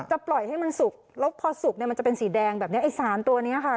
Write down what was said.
ปล่อยให้มันสุกแล้วพอสุกเนี่ยมันจะเป็นสีแดงแบบนี้ไอ้สารตัวนี้ค่ะ